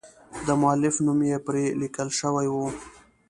د مؤلف نوم یې پر لیکل شوی و.